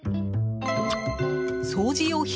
掃除用品